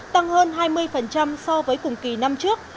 tăng hơn hai mươi so với cùng kỳ năm trước